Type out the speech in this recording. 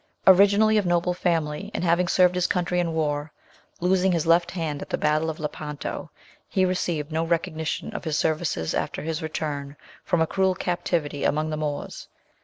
Originally of noble family, and having served his country in war, losing his left hand at the battle of Lepanto, he received no recognition of his services after his return from a cruel captivity among the Moors.